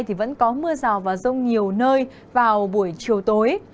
thì vẫn có mưa rào và rông nhiều nơi vào buổi chiều tối